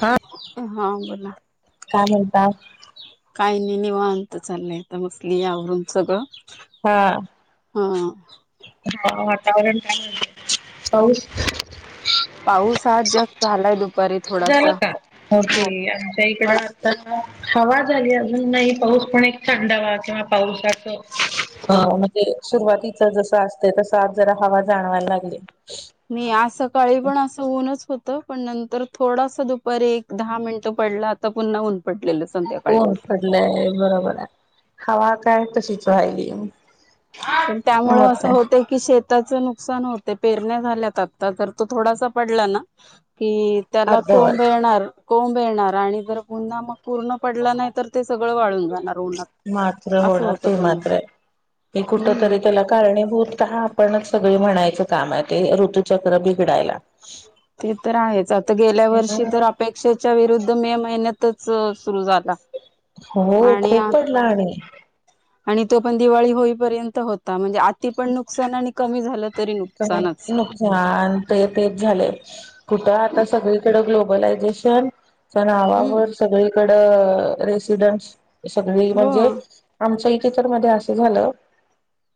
हा हा बोला काय म्हणत काही नाही निवांत चाललायता मस्ली यावरून सगळं हा हा ह वातावरण काय पाऊस आज जास्त झालाय दुपारी झालं थोडासा का होके हो आमच्या पण इकडं तर हवा झाली अजून नाही पाऊस पण एक थंडवा किंवा पावसाच अ हा म्हणजे सुरुवातीच जस असते तस आज जरा हवा जाणवायला लागली मी आज सकाळी पण असं ऊनच होत पण नंतर थोडास दुपारी एक दहा मिनिटं पडला आता पुन्हा ऊन पडलेलं संध्याकाळी नाही बरोबर आहे हवा काय तशीच वयली त्यामु असं होतय कि शेताच नुकसान होते पेरण्या झाल्यात आता तर तो थोडासा पडला ना कि त्याला कोंब अर्धवट येणार कोंब येणार आणि जर गुन्हा मग पूर्ण पडला नाही तर ते सगळं वाळून जाणार उन्हात मात्र असं होणार होतं त पुन्हा माात्रे मी कुठ हम्म तरी त्याला कारणीभूत का आपणच सगळे म्हणायचं काम आहे ते ऋतुचक्र ब ते तर आहेच आता गेल्या वर्षी हम्म तर आप अपेक्षेच्या विरुद्ध मे महिन्यातच सुरु झाला हो आणि खूप पडला आणि आणि तो पण दिवाळी होईपर्यंत होता म्हणजे आति पण नुकसान आणि कमी झालं तरी नुक नुकसान ते तेच झाले कुठं आता सगळीकडे ग्लोबलायझेशन त्या हम्म नावावर सगळीकडं रेसिडेंट सगळी हो म्हणजे आमचं इथे तर मध्ये असं झालं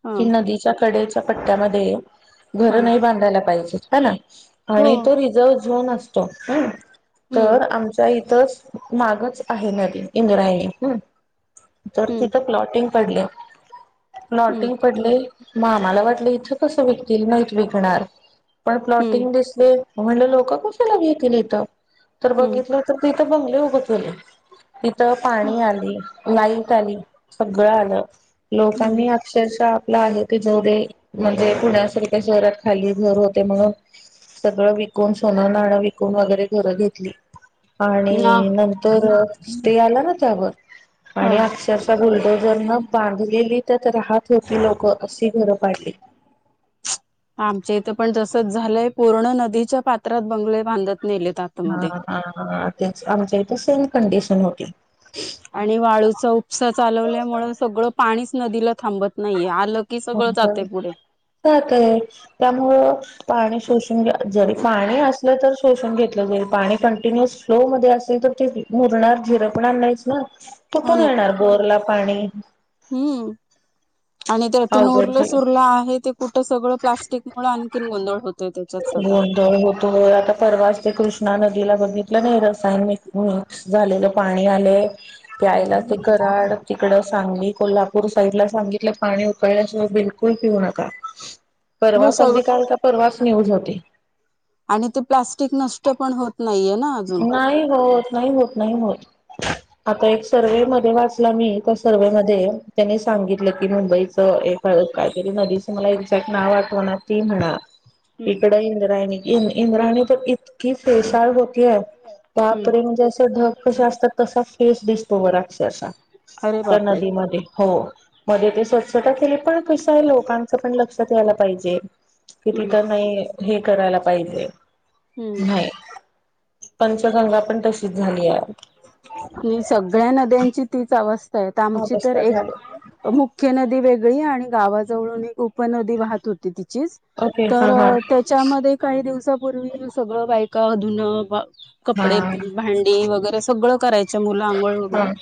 हा की नदीच्या कडेच्या पट्ट्यामध्ये हा घर नाही बांधायला पाहिजे ह ना हो आणि तो रिझर्व्ह झोन असतो ह हम्म तर आमच्या इथंच मागच आहे नदी इंद्रायणी हम् तर हम्म तिथं प्लॉटिंग पडले हम्म प्लॉटिंग पडले मा मला वाटलं इथं कस विकतील नाहीत विकणार पण हम्म प्लॉटिंग दिसले म्हणलं लोक कशाला घेतील इथं तर हम्म बघितलं तर ते इथं बंगले उभे केले तिथं हो पाणी आली लाईट आली सगळं आलं हम्म लोकांनी अक्षरशः आपला आहे जेवढे म्हणजे पुण्या शहरात खाली घर होते मग सगळं विकून सोनं नाणं विकून वगैरे घरं घेतली ना आणि नंतर स्टे आला ना त्यावर ह आणि चरचा ुलडो जर न बांधलेली तर राहत होती लोकं अशी घरं पाडली आमच्या इथं पण जसच झालंय पूर्ण नदीच्या पात्रात बंगले बांधत नेलेत आतमध्येध्ये ह तेच आमच्या इथे सेम कंडिशन होतीलल आणि वाळूचा उपसा चालवल्यामुळे सगळं पाणीच नदीला थांबत नाहीये आलग सात आहे त्यामुळं पाणी शोषून घ जरी पाणी असलं तर शोषून घेतलं जरी पाणी कंटिन्युअस स्लो मध्ये असेल तर ते मुरणार झिरं पण आण नाहीच ना हो कुठून ना येणार बोर ला पाणी हम्म आणि त्यातून अवघड उरलं सु झालंय. उरलं आहे ते कुठं सगळं प्लास्टिक मुमुळे आणखी गोंधळ होत गोंधळ होतो आता परवास ते कृष्णा नदीला बघितलं नाही रसायनिक झालेलं पाणी आले प्यायला ते कराड तिकड सांगली कोल्हापूर साईडला सांगीतलं पाणी उकळल्याशिवाय बिलकुल पिऊ नका [inaudible] परवास सगळं अगदी काल का परवास न्यूज होते आणि ते प्लास्टिक नष्ट पण होत नाहीये ना अजून नाही होत नाही होत नाही होत [inaudible] आता एक सर्ववेहे मध्ये वाचला मी त्या सर्वहे मध्ये त्यानी सांगितलं की मुंबईच एक काहीतरी नदीचं मला एक्झॅक्ट नाव आठवणार ती म्हणा हम्म इकड इंद्रायणी इंद्राणी तर इतकी फेसाळ होत हम्म वापरे म्हणजे अस धग क असतात तसा फेस दिसतो बराक्ष अरे बापरे नदीमध्ये हो मध्ये ते स्वच्छता केली पण कस आहे लोकांच पण लक्षात यायला पाहिजे कि हम्म तिथं नाही हे करायला पाहिजे हम्म नाही पंचगंगा पण तशीच झाली आहे नाही सगळ्या नद्यांची तीच अवस्था आहे आमची तर अवस्था झाली एक मुख्य नदी वेगळी आणि गावाजवळून एक उपनदी वाहत होती तिचीच ओके तर हा हा त्याच्यामध्ये काही दिवसापूर्वी सगळं बायका धुून भ कपडे हा भांडी वगैरे सगळं करायच मुलं आंघोळ वगैरे हा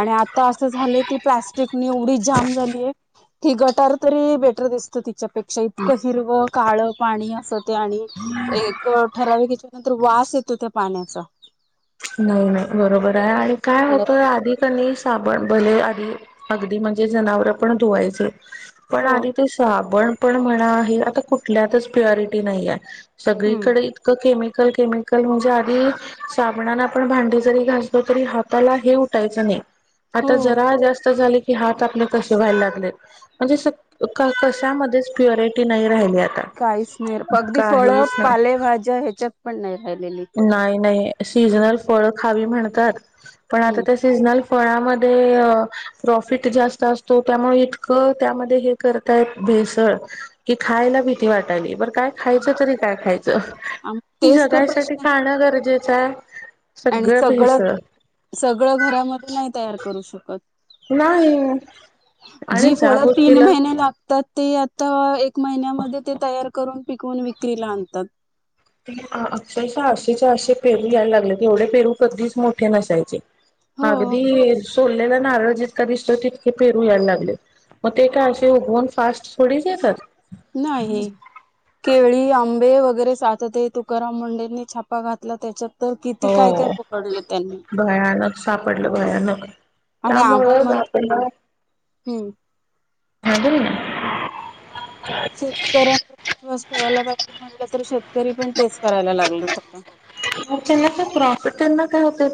आणि आता असं झालंय की प्लॅस्टिकनी एवढी जाम झालीय ती गटार तरी बेटर दिसत तिच्यापेक्षा क्षतकं हिरवं काळ पाणी असं ते आणि एक ठराव घेतल्यानंतर वास येतो त्या पाण्याचा नाही नाही बरोबर आहे आणि काय होतं आधी त्यांनी साबण भले आध अगदी म्हणजे जनावर पण धुवायचे पण हो आधी ते साबण पण म्हणा आहे आता कुठल्यातच प्युरिटी नाही आहे हम्म सगळीकडे इतकं केमिकल केमिकल म्हणजे आधी साप म्हणान आपण भांडी जरी घासलो तरी हाताला हे उठायचं नाही हो आता जरा जास्त झाले की हात आपले कसे व्हायला लागले म्हणजे कशामध्येच प्युरिटी नाही राहिली आता काहीच अगदी फळ काहीच नाही पा भाज्या ह्याच्या पण नाही राहिलेली नाही नाही सीजनल फळ खावी म्हणतात पण आता हम् सीझनल फळामध्ये प्रॉफिट जास्त असतो त्यामुळे इतकं त्यामध्ये ताय भेसळ कि खायला भीती वाटाली काय खायचं तरी काय खायचं तेच तर जगायसाठी प्रश्न खाणं गरजेचं आहे आणि सगळं सगळं घरामध्ये नाही तयार करू शकत नाही आणि जी ज्या फळ तीन गोष्टीला महिने लागत तर ते आता एक महिन्यामध्ये ते तयार करून पिकवून विक्रीला आणतात अक्षरशः आशेच्या असे पेरू यायला लागले तेवढे पेरू कधीच मोठे नसायचे हो अगदी सोडलेला नारळ जितका दिसतो तितके फेरू यायला लागले मग ते काय असे उगवून फास्ट थोडीच येतात नाही आहे केळी आंबे वगैरे साचते तुकाराम मुंडेंनी छापा घातला त्याच्या तर किती काय काय हो पकडलं त्यांनी भयानक सापडलं भयानक आणि आपण त्यामुळंच म्हणतो आपल्याला हम्म हा ब ना शेतकऱ्यांवर विश्वास ठेवायला पाहिजे म्हटलं तर शेतकरी पण तेच करायला लागलेत आता का प्रॉफिट काय होतय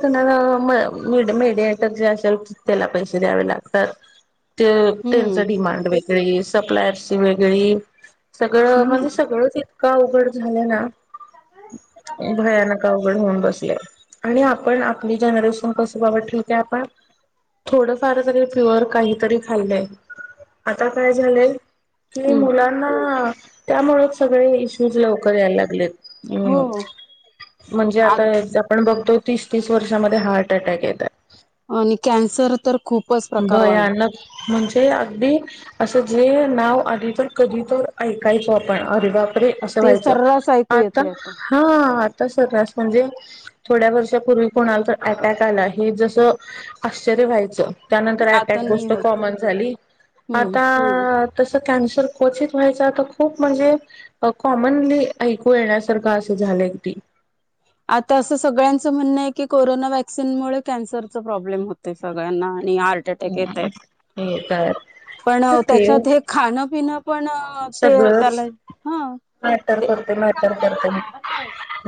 मीडिटरे त्याला पैसे द्यावे लागतात ते त्यांच हम्म डिमांड वेगळी सप्लायची वेगळी सगळं हम्म म्हणजे सगळंच इतकां उघड झालं ना भयानक अवघड होऊन बसले आणि आपण आपली जनरेशन कसं बघ ठ ते आपण थोडंफार तरी प्युअर काहीतरी खाल्लंय आता काय झाले कि हम्म. मुलांना त्यामुळेच सगळे इश्यूज लवकर यायला लागलेत हम्म हो म्हणजे आ आता आपण बघतो तीस तीस वर्षामध्ये हार्ट अटॅक येतात आणि कॅन्सर तर खूपच प्रकार वाढ भयानक म्हणजे अगदी असं जे नाव आधी तर कधी तर ऐकायचो आपण अरे बापरे असं ते व्हायचं सर्रास ऐकू आता येते हा आता सर्रास म्हणजे थोड्या वर्षापूर्वी कोणाला तर अटॅक आला हे जसं आश्चर्य व्हायचं त्यानंतर आता अटॅक नाही गोष्ट होत. कॉमन झाली हम्म. आता तसं कॅन्सर क्चित व्हायच तर खूप म्हणजे कॉमनली ऐकू येण्यासारखं असं झालंय की आता असं सगळ्यांचं म्हणणं आहे की कोरोना व्हॅक्सिनमुळे कॅन्सरचा प्रॉब्लेम होतय सगळ्यांना आणि हार्ट अ येत हे काय पण ते त्याच्यात हे खाण पि पण ते त्याला सगळंच हा मॅटर ते करते मॅटर करते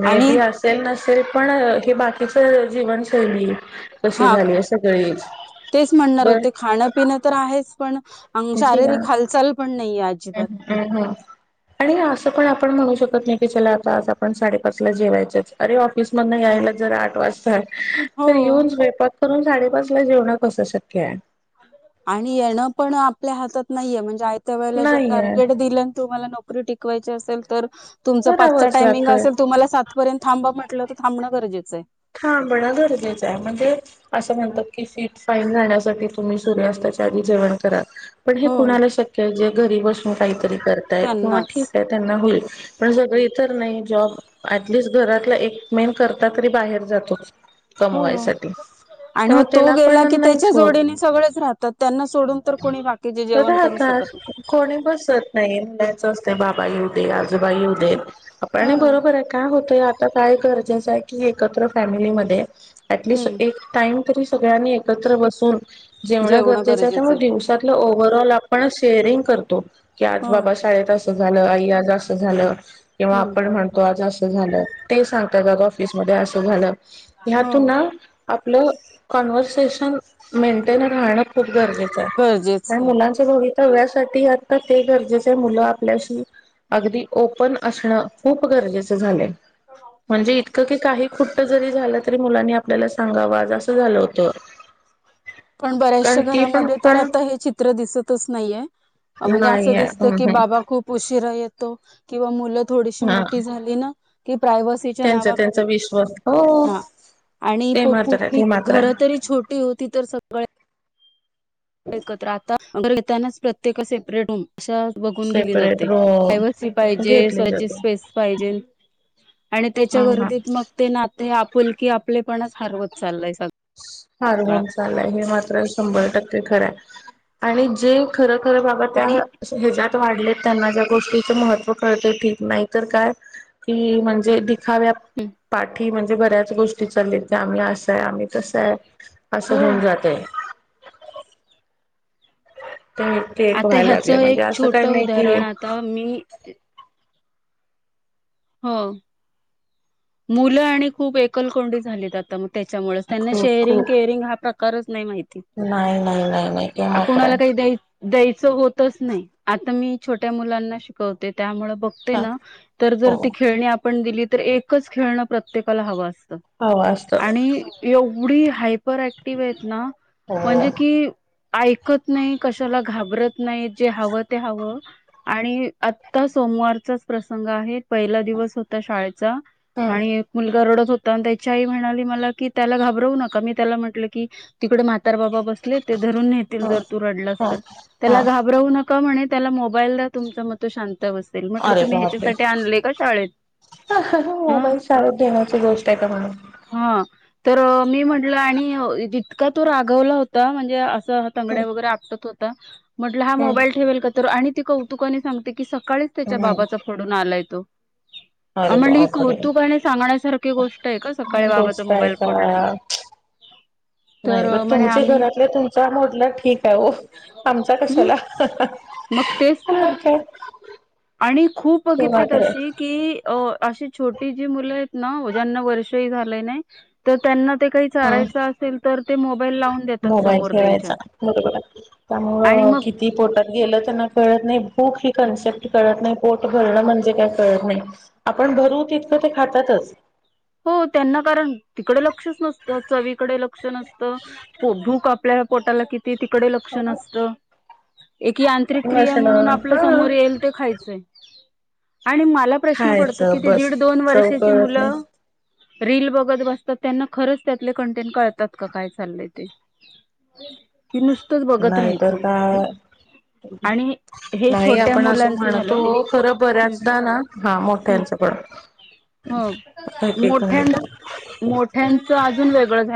मे आणि बी असेल नसेल पण हे बाकीच जीवनशैली कशी हा झाली आहे सगळीच तेच म्हणणार बर होते खाण पिन तर आहेच पण [inaudible] जीवन शारीरिक हालचाल पण नाय अजिबात [inaudible] आणि असं पण आपण म्हणू शकत नाय की चला आता आज आपण साडेपाच ला जेवायचंच अरे ऑफिस मधन यायला जरा आठ वाजता हो तर येऊन स्वयंपाक करून साडेपाच ला [inaudible] कस शक्य आहे आणि येणं पण आपल्या हातात ना-ये म्हणजे आयत्या वेळेला जर नाही आहे टार्गेट दिलं तुम्हाला न [inaudible] टिकवायच असेल तर तुमच पाच करावंच टाइमिंग लागतंय असेल तुम्हाला सात पर्यंत थांबा म्हंटल तर थाबणं गरजेचं-य थांबण गरजे चंय म्हणजे असं म्हणतात की फीट-स फाईन राण्यासाठी तुम्ही सूर्यास्तच्या आधी जेवण करा पण हे हो कुणाला शक्य अहय जे घरी बसून काहीतरी करताय किंवा त्यांनाच ठीक हेय [unintelligible] जातो हो कमवायसाठी आणि मग त्यामुळे तो त्याला गेला पण की नाहीच त्याच्या होत. जोडीने सगळेच राहतात त्यांना सोडून तर कोणी बाकीचे जेवण करू राहतात शकत कोणी बसत नाही [unintelligible] बाबा येउदे आजोबा येउदे आपण हा बरोबर [inaudible] काय होतय आता काय गरजेचं हाय की एकत्र फॅमिलीमध्ये ऍटलिस्ट हम्म एक टाइम तरी सगळ्यांनी एकत्र बसून जेवणं गरजेचं तेमुळे दिवस ो आ झा क हो हम्म आप म्हणतो झा झा हो हत आपलं कन मेंटेन राहणं खूप गरजेचं आहे मुलां ते भवितव्यासाठी आता ते गरजेचे मुलं आपल्याशी अगदी ओपन असणं खूप गरजेच झालंय म्हणजे इ [inaudible] की काही कुठ जरी झालं तरी मुलांनी आपल्याला सांगाव अगं असं झालं होतं पण कारण बऱ्याशह्या ती पण घरामध्ये तर पण आता हे चित्र दिसतच नाइ ये म्हणजे नाही असं आहे दिसतं हम्म की हम्म बाबा खूप उशीरा येतो किंवा मुलं थोडीशी हा मोठी झाली ना की प्रायव्हसी तुमच्या त्यांचा नावा त्यांचा खातीर विश्वास हो हा आणि ते मात्र आहे ते मात्र आहे. [unintelligible] ती होती तर सगळे एकत्र आता [inaudible] प्रत्येक-अ सेपरेट रूम [inaudible] बघून गेली सेपरेट जाते काय [unintelligible] रूम पाहिजे घेतली स्वःची जाते. स्पेस पाहिजेल आणि त्यांच्या हा हा वर्दीत मग ते नाते आपुलकी आपले पणच हरवत चाललय सग हारहून चालय हे मात्र शंभर टक्के खरं ह-य आणि जे खर खरं बाबा त्या आणि ह्याच्यात वाढलेत त्यांना ज्या गोष्टीच महत्त्व कळते ठीक नाही तर काय कि म्हणजे [unintelligible] [unintelligible] पाठी म्हणजे बऱ्याच गोष्टी चालेत त्या आम्ही असाय आम्ही तसांय असं हो होऊन जातय ते ते एक आता व्हायला लागले ह्याचं एक म्हणजे असं छोट काही नाही कि उदाहरण आता म [inaudible] हो-ओ मुलं आणि खूप एकलकोंडी झालीत आता म त्याच्यामुळच त्यांना खूप शेअरिंग केअरिंग हा प्रकारच नाय माहिती नाय नाय नाय नाय ते मात्र कुणाला [inaudible] काही द्याय द्यायचं होतच नाय आता मी छोट्या मुलांना शिकवते त्यामुळ बघ ते ना तर हो जर ती खेळणी आपण दिली तर एकच खेळणं प्रत्येकाला हवं असत हवं असत एवढी हायपर ऍक्टिवेत ना हो म्हणजे हम्म की ऐकत नय कशाला घाबरत नाय जे हवं ते हवं आणि आता सोमवारचाच प्रसंग आहे पहिला दिवस होता शाळेचा आणि मुलगा रडत होत [unintelligible] त्याच्या आई म्हणाली मला की त्याला घाबरवू नका मी त्याला म्हटलं की तिकडे म्हातारबाबा बस [unintelligible] धरून नेतील ह जर तु रडलास ह तर त्याला हा घाबरउ नक क म्हणे त्याला मोबाईला तुमचं मत शांत बसेल म्हटलं अरे तुम्ही बापरे ह्याच्यासाठी आले मोबाईल चालू ठेवायची गोष्ट आहे का म्हणून हा तर मी म्हटलं आणि जितका तो रागवला होता म्हणजे असं हो मो हम्म हम्म ठे का कौु सका त्याच्या हम्म बाबाचा फोडून आलाय तो अरे म्हणले ही बापरे! कौतुकने सांगण्यासारखी गोष्ट आहे का सकाळी ही बाबाच गोष्ट आहे मोबाईल फोडलंय का? नाही बट तुमचे घरातले तुमचा मोडला ठीक आहे हो आमचा हम् कशाला मग तेच तर काय आणि खूप तेव्हा बघितली तर तशी की अशी छोटी जी मुलं आहेत ना ज्यांना वर्ष हि झालं नाही तर त्यांना ते काही हा चारायचं असेल तर ते मोबाईल लावून देतात मोबाईल समोर ठेवायचा त्यांच्यात आणि मग ती पोटात गेलं त्यांना कळत नाही भूक ही कॉन्सेप्ट कळत नाही पोट भरणं म्हणजे काय कळत नाही आपण भरू तितकं ते खातातच. हो त्यांना कारण तिकडे लक्षच नसतं चवीकडे लक्ष नसतं भूक. आपल्या पोटाला किती तिकडे लक्ष नसतं एकी. [unintelligible] [unintelligible] म्हणून नसणं आपल समोर येल ते खायचय आणि मला प्रश्न पडतो कि खायचं बस दीड दोन चव वर्षाची कळत नाही. मुलं. रील बघत बसतात त्यांना खरंच त्यातले कंटेंट कळतात का काय चालंय ते. कि नुसतंच बघत नाही तर राहायचं काय. आणि हे नाही छोट्या आपण असं मुलांचं म्हणतो झालं. खरं हम्म बऱ्याचदा ना. हा हम्म मोठ्यांचं पण. हो एक एक मोठ मिनिट मोठ्यांच अजून वेगळं झालं.